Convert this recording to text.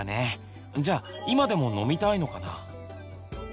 じゃあ今でも飲みたいのかな？